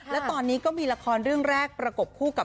และตอนนี้ก็มีละครเรื่องแรกประกบคู่กับ